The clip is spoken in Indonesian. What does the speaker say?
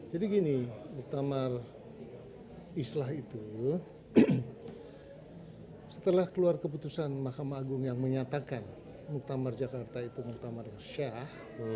jadi gini muktamar islah itu setelah keluar keputusan mahkamah agung yang menyatakan muktamar jakarta itu muktamar syah